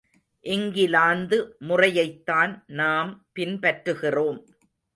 இங்கிலாந்து முறையைத்தான் நாம் பின் பற்றுகிறோம்.